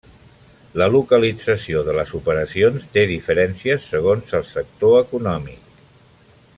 La localització de les operacions té diferències segons el sector econòmic.